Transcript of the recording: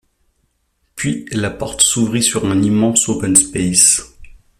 puis la porte s’ouvrit sur un immense open space,